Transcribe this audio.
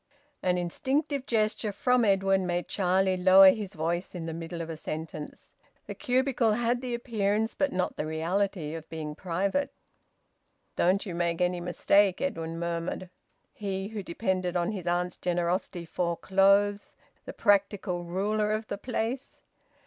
An instinctive gesture from Edwin made Charlie lower his voice in the middle of a sentence. The cubicle had the appearance, but not the reality, of being private. "Don't you make any mistake," Edwin murmured. He, who depended on his aunt's generosity for clothes, the practical ruler of the place!